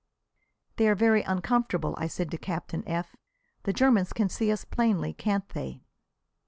"They are very uncomfortable," I said to Captain F . "The Germans can see us plainly, can't they?"